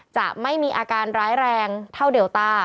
จะไม่มีอาการร้ายแรงเท่าเดลต้า